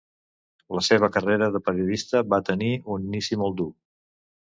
La seva carrera de periodista va tenir un inici molt dur.